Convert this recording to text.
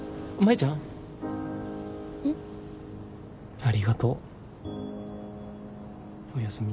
ありがとう。おやすみ。